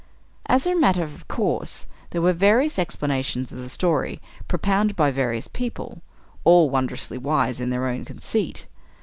As a matter of course, there were various explanations of the story propounded by various people all wondrously wise in their own conceit.